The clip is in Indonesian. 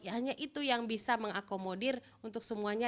hanya itu yang bisa mengakomodir untuk semuanya